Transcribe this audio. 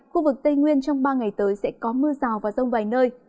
khu vực tây nguyên trong ba ngày tới sẽ có mưa rào và rông vài nơi